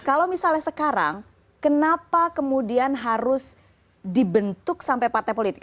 kalau misalnya sekarang kenapa kemudian harus dibentuk sampai partai politik